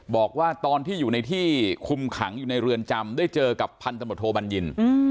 บอกว่าตอนที่อยู่ในที่คุมขังอยู่ในเรือนจำได้เจอกับพันธมตโทบัญญิน